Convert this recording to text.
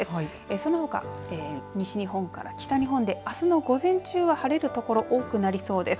そのほか西日本から北日本であすの午前中は晴れるところ多くなりそうです。